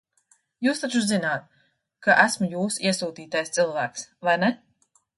Jūs taču zināt, ka esmu jūsu iesūtītais cilvēks, vai ne?